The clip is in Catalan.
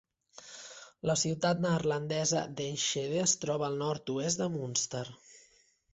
La ciutat neerlandesa d'Enschede es troba al nord-oest de Münster.